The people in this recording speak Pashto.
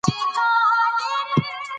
تاریخ چې ورک دی، باید پیدا سي.